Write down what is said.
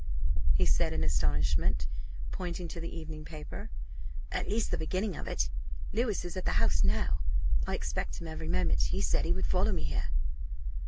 he said in astonishment, pointing to the evening paper "at least the beginning of it. Louis is at the House now. I expect him every moment. He said he would follow me here."